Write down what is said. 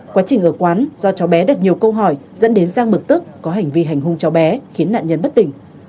quá trình ở quán do cháu bé đặt nhiều câu hỏi dẫn đến giang bực tức có hành vi hành hung cháu bé khiến nạn nhân bất tỉnh